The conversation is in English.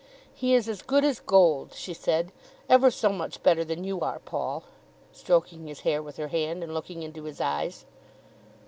"He is as good as gold," she said, "ever so much better than you are, Paul," stroking his hair with her hand and looking into his eyes.